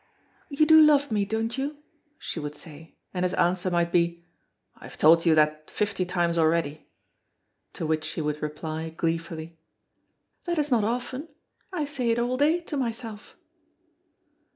"You do love me, don't you?" she would say, and his answer might be "I have told you that fifty times already;" to which she would reply, gleefully, "That is not often, I say it all day to myself."